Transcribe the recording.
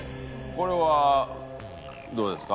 これはどうですか？